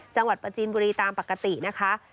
จังหวัดปจีนบุรีตามปกตินะคะ